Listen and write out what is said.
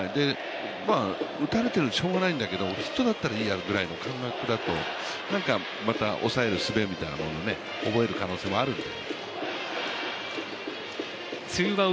打たれてもしょうがないんだけどヒットだったらいいなという感覚だと何かまた、抑えるすべみたいなのを覚える可能性もありますよね。